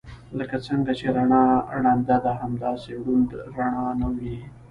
لکه څنګه چې رڼا ړنده ده همداسې ړوند رڼا نه ويني.